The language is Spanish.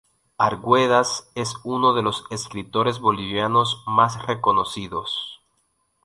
Arguedas es uno de los escritores bolivianos más reconocidos.